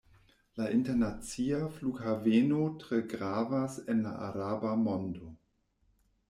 La internacia flughaveno tre gravas en la araba mondo.